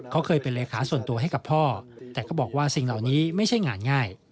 เขาเคยเป็นเลขาส่วนตัวให้กับพ่อแต่ก็บอกว่าสิ่งเหล่านี้ไม่ใช่งานง่าย